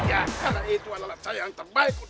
karena itu adalah percayaan terbaik untuk